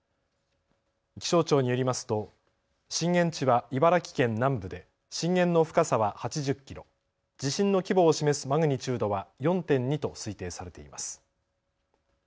気象庁によりますと震源地は茨城県南部で震源の深さは８０キロ、地震の規模を示すマグニチュードは４．２と推定されています。